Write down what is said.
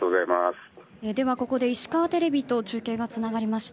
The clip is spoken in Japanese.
ここで石川テレビと中継がつながりました。